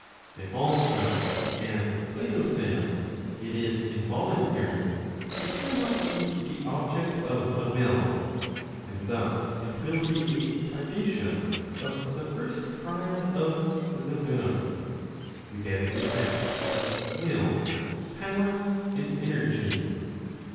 If also, as Plato says, it is involuntary, it will not be the object of the will. And thus it will be a privation of the first triad of the good, viz. of will, power, and energy.